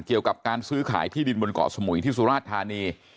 เกี่ยวกับการซื้อขายที่ดินบนเกาะสมุยที่สุราชธานี